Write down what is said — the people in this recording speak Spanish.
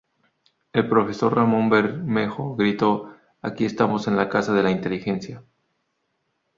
El profesor Ramón Bermejo gritó: "!Aquí estamos en la casa de la inteligencia!".